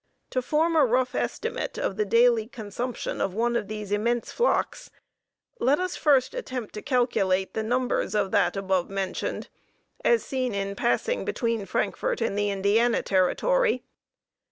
To form a rough estimate of the daily consumption of one of these immense flocks let us first attempt to calculate the numbers of that above mentioned, as seen in passing between Frankfort and the Indiana territory.